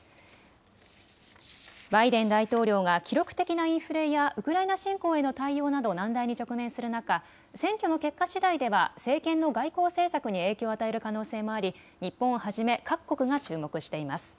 バイデン大統領が記録的なインフレやウクライナ侵攻への対応など難題に直面する中、選挙の結果しだいでは政権の外交政策に影響を与える可能性もあり、日本をはじめ各国が注目しています。